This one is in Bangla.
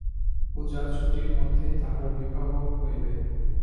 পূজার ছুটির মধ্যেই তাহার বিবাহ হইবে।